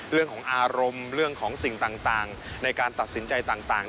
เรื่องของอารมณ์เรื่องของสิ่งต่างในการตัดสินใจต่าง